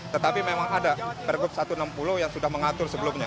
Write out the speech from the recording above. tetapi memang ada pergub satu ratus enam puluh yang sudah mengatur sebelumnya